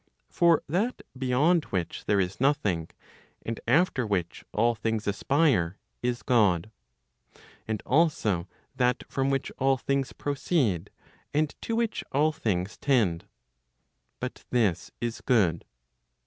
For that beyond which there is nothing, and after which all things aspire, is God. And also that from which all things proceed, and to which all things tend. But this is good.